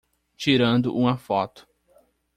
Tirando uma foto